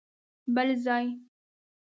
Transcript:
بل ځای؟!